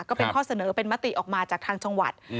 ก็เป็นข้อเสนอเป็นมติออกมาจากทางจังหวัด